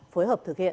phối hợp thực hiện